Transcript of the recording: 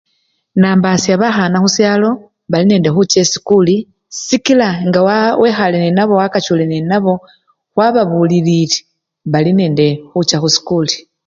Nambasha bakhan khushalo bali nende khucha esikuli sikila nga wekhale nenabo wakachule nenabo wababulilile, bali nende khucha khusikuli.